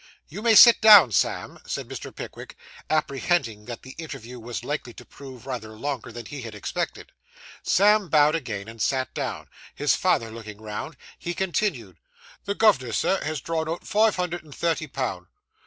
'You may sit down, Sam,' said Mr. Pickwick, apprehending that the interview was likely to prove rather longer than he had expected. Sam bowed again and sat down; his father looking round, he continued 'The gov'nor, sir, has drawn out five hundred and thirty pound.